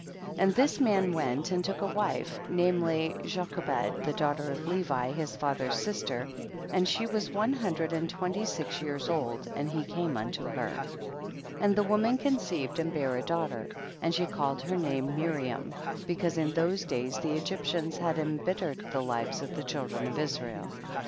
2. And this man went and took a wife, namely Jochebed the daughter of Levi his father's sister, and she was one hundred and twenty six years old, and he came unto her. 3. And the woman conceived and bare a daughter, and she called her name Miriam, because in those days the Egyptians had embittered the lives of the children of Israel.